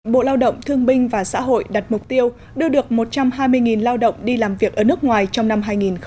bộ lao động thương binh và xã hội đặt mục tiêu đưa được một trăm hai mươi lao động đi làm việc ở nước ngoài trong năm hai nghìn hai mươi